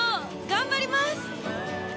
頑張ります！